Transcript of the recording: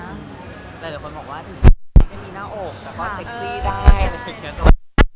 หลายคนบอกว่าถึงมีหน้าโอกแต่ก็เซ็กซี่ได้